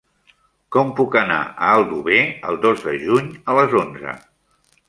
Com puc anar a Aldover el dos de juny a les onze?